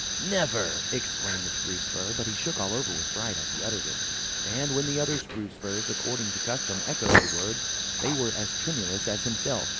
"Never!" exclaimed the Spruce fir; but he shook all over with fright as he uttered it. And when the other Spruce firs, according to custom, echoed the word, they were as tremulous as himself.